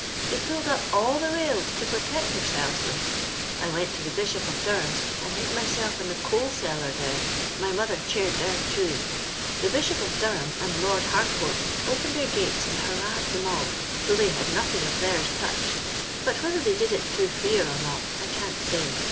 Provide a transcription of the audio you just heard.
They pulled up ull the mils to purtect theirsolves with. I wont to tho liishop of Durham's, and hid myself in the conl d llar then. Aly niotlier chaired tliere, too. The Bishop of Durham and Lord Haroourt opened their gates and hurrah'd the mob, so tliey had nothing of theirs touched ; but whether tlioy did it tlirougli fear or not I can't say.